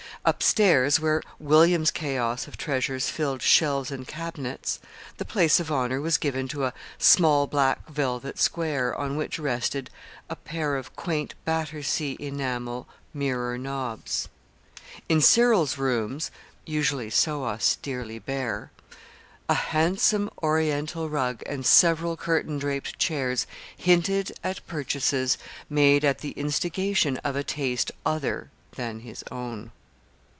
Up stairs, where William's chaos of treasures filled shelves and cabinets, the place of honor was given to a small black velvet square on which rested a pair of quaint Battersea enamel mirror knobs. In Cyril's rooms usually so austerely bare a handsome Oriental rug and several curtain draped chairs hinted at purchases made at the instigation of a taste other than his own.